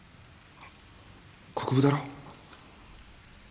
国府だろ？